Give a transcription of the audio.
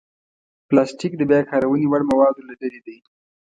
پلاستيک د بیا کارونې وړ موادو له ډلې دی.